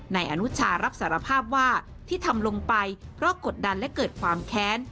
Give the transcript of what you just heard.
นายอนุชารับสารภาพว่าที่ทำลงไปเพราะกดดันและเกิดความแค้น